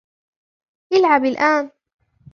العب الآن.